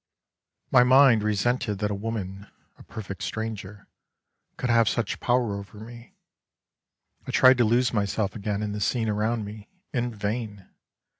My mind resented that a woman, a perfect stranger, could have such power over me ; I tried to lose myself again in the scene around me, in vain!